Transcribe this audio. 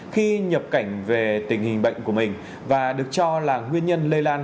khi nhập cảnh về tình hình bệnh của mình và được cho là nguyên nhân lây lan